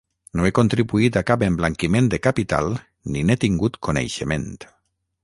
No he contribuït a cap emblanquiment de capital ni n’he tingut coneixement.